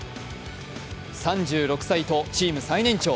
３６歳とチーム最年長。